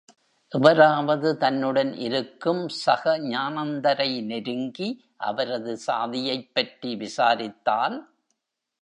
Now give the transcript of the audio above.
எவராவது தன்னுடன் இருக்கும் சகஜானந்தரை நெருங்கி அவரது சாதியைப் பற்றி விசாரித்தால்.